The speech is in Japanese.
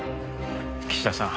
岸田さん。